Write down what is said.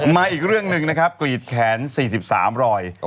มาอีกเรื่องหนึ่งนะครับกรีดแขน๔๓รอย